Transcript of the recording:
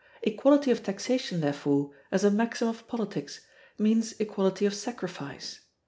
Equality of taxation, therefore, as a maxim of politics, means equality of sacrifice.